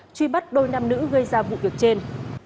truy bắt đôi nam nữ gây ra vụ việc trên